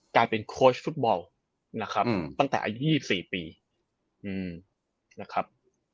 กลายเป็นฟุตบอลนะครับอืมตั้งแต่อายุยี่สี่ปีอืมนะครับ